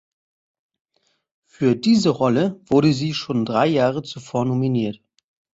Für diese Rolle wurde sie schon drei Jahre zuvor nominiert.